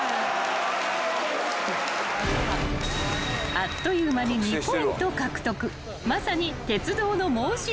［あっという間に２ポイント獲得］